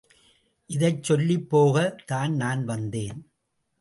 இதைச் சொல்லிப் போகத் தான் நான் வந்தேன்.